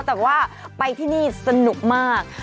แต่ว่าไปที่นี่สนุกมาก